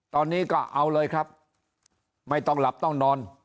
ตอนนี้ก็เอาเลยครับไม่ต้องหลับต้องนอน